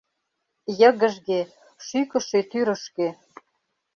Йыгыжге, шÿкышö тÿрышкö.